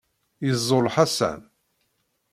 Yeẓẓul Ḥasan.